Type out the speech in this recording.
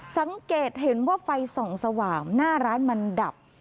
สังเกตเห็นว่าไฟส่องสว่างหน้าร้านมันดับ